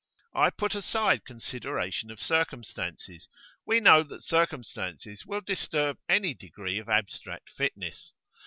I put aside consideration of circumstances; we know that circumstances will disturb any degree of abstract fitness.